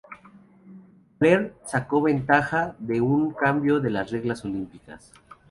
Blair sacó ventaja de un cambio de las reglas Olímpicas.